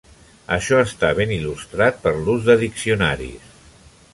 Això està ben il·lustrat per l'ús de diccionaris.